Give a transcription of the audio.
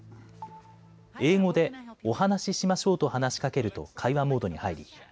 英語でお話ししましょうと話しかけると会話モードに入り